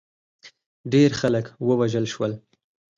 ډېر خلک ووژل شول.